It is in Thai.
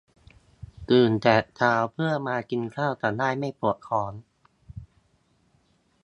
ตื่นแต่เช้าเพื่อมากินข้าว จะได้ไม่ปวดท้อง